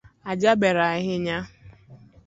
Ajaber ahinya